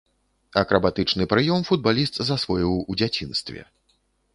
Акрабатычны прыём футбаліст засвоіў у дзяцінстве.